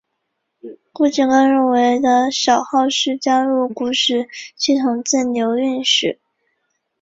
顾颉刚认为的少昊氏加入古史系统自刘歆始。